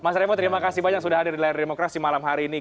mas revo terima kasih banyak sudah hadir di layar demokrasi malam hari ini